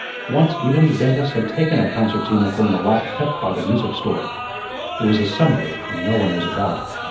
Once, even, the dentist had taken a concertina from the lot kept by the music store. It was a Sunday and no one was about.